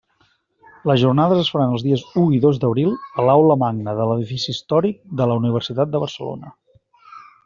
Les Jornades es faran els dies u i dos d'abril a l'Aula Magna de l'Edifici Històric de la Universitat de Barcelona.